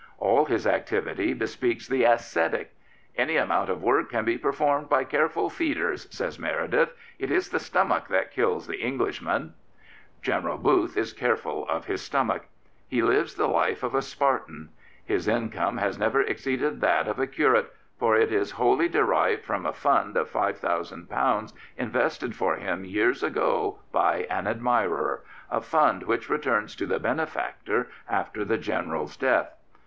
All this activity bespeaks the ascetic. " Any amount of work can be performed by careful feeders," says Meredith; "it is the stomach that kills the Englishman." General Booth is careful of his stomach. He lives the life of a Spartan. His income has never exceeded that of a curate, for it is wholly derived from a fund of £5000 invested for him years ago by an admirer — a fund which returns to the benefactor after the General's death.